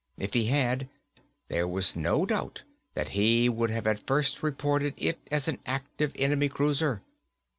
If he had, there was no doubt that he would have at first reported it as an active enemy cruiser.